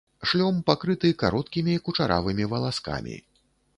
Шлём пакрыты кароткімі кучаравымі валаскамі.